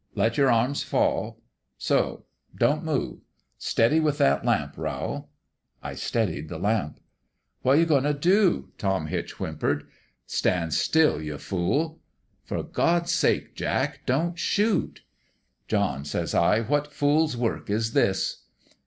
Let your arms fall. So. Don't move. Steady with that lamp, Rowl.' " I steadied the lamp. '"What you goin' t' dof Tom Hitch whim pered. '"Standstill, ye fool !'"' For God's sake, Jack, don't shoot !'"' John,' says I, ' what fool's work is this